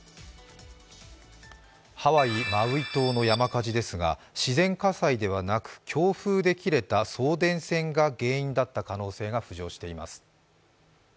ハワイ・マウイ島の山火事ですが自然火災ではなく、強風で切れた送電線が原因だった可能性が浮上しています。